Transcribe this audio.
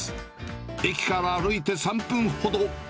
駅から歩いて３分ほど。